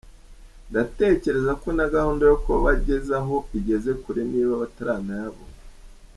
Ndatekereza ko na gahunda yo kuyabagezaho igeze kure niba bataranayabona.